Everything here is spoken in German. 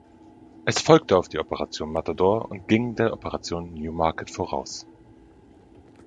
Es folgte auf die Operation Matador und ging der Operation New Market voraus.